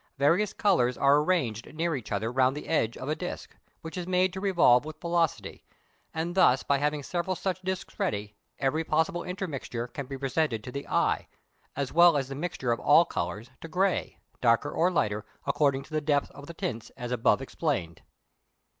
Various colours are arranged near each other round the edge of a disk, which is made to revolve with velocity, and thus by having several such disks ready, every possible intermixture can be presented to the eye, as well as the mixture of all colours to grey, darker or lighter, according to the depth of the tints as above explained.